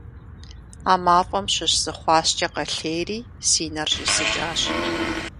А мафӀэм щыщ зы хъуаскӀэ къэлъейри си нэр щӀисыкӀащ.